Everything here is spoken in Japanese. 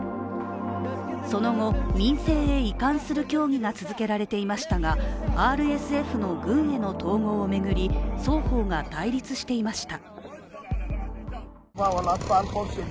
その後、民政へ移管する協議が続けられていましたがＲＳＦの軍への統合を巡り双方が対立していました。